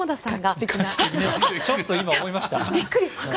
ちょっと今思いました。